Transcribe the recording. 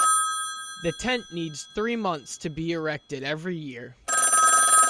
The tent needs three months to be erected every year.